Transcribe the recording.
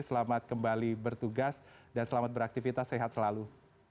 selamat kembali bertugas dan selamat beraktivitas sehat selalu